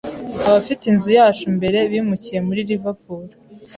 Abafite inzu yacu mbere bimukiye muri Liverpool.